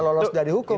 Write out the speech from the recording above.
lolos dari hukum